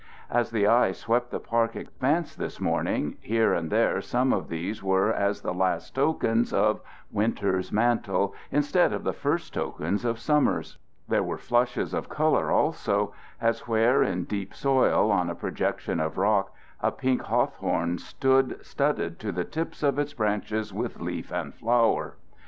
As the eye swept the park expanse this morning, here and there some of these were as the last tokens of winter's mantle instead of the first tokens of summer's. There were flushes of color also, as where in deep soil, on a projection of rock, a pink hawthorn stood studded to the tips of its branches with leaf and flower.